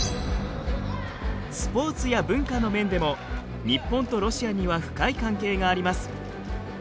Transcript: スポーツや文化の面でも日本とロシアには深い関係があります。